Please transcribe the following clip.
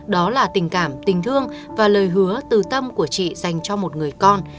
đó là tình cảm tình thương và lời hứa từ tâm của chị dành cho một người con